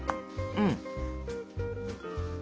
うん。